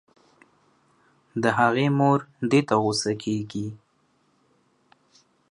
د هغې مور دې ته غو سه کيږي